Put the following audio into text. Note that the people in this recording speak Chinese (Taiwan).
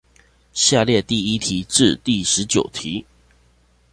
下列第一題至第十九題